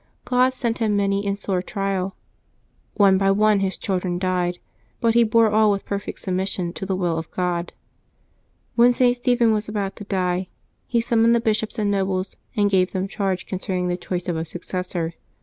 God sent him many and sore trials. One by one his children died, but he bore all with perfect submission to the will of God. When St. Stephen was about to die, he summoned the bishops and nobles, and gave them charge concerning the choice of a successor.